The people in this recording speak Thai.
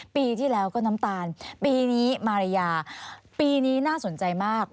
ปีที่แล้วก็น้ำตาลปีนี้มารยาปีนี้น่าสนใจมาก